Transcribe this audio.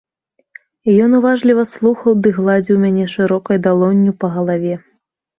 Ён уважліва слухаў ды гладзіў мяне шырокай далонню па галаве.